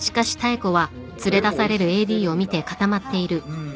うん。